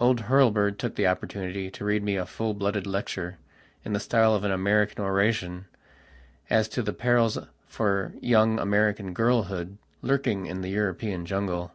Old Hurlbird took the opportunity to read me a full blooded lecture, in the style of an American oration, as to the perils for young American girlhood lurking in the European jungle.